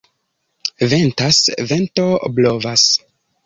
Ventas, vento blovas.